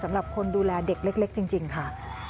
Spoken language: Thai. สำหรับคนดูแลเด็กเล็กจริงค่ะ